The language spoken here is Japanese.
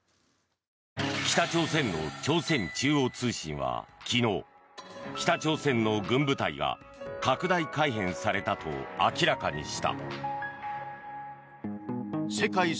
北朝鮮の朝鮮中央通信は昨日北朝鮮の軍部隊が拡大改編されたと明らかにした。